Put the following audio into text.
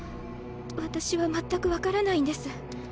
私は全く分からないんです。